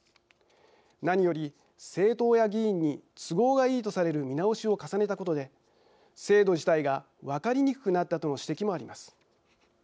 何より、政党や議員に都合がいいとされる見直しを重ねたことで、制度自体が分かりにくくなったとの指摘もあります。